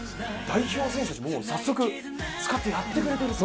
代表選手たち、もう早速使って、やってくれていると。